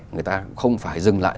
người ta không phải dừng lại